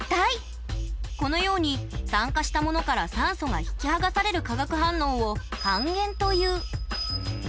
このように酸化したものから酸素が引き剥がされる化学反応を「還元」という。